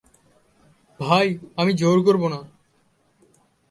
ভাই আমি জোর করব না।